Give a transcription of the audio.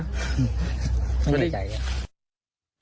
ไม่ในใจ